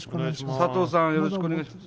サトウさんよろしくお願いします。